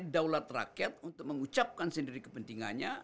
people power artinya daulat rakyat untuk mengucapkan sendiri kepentingannya